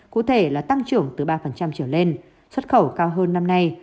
cụ thể là tăng trưởng từ ba trở lên xuất khẩu cao hơn năm nay